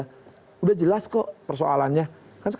sudah jelas kok